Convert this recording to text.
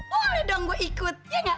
boleh dong gua ikut ya ga